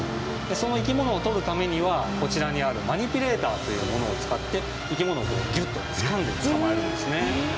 その生き物をとるためにはこちらにあるマニピュレーターというものを使って生き物をギュッとつかんで捕まえるんですね。